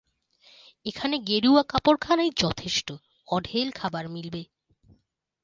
এখানে গেরুয়া-কাপড়খানাই যথেষ্ট, অঢেল খাবার মিলবে।